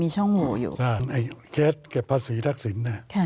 ซึ่งแคสกภาษีทักษิน